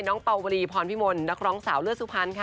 เป่าวลีพรพิมลนักร้องสาวเลือดสุพรรณค่ะ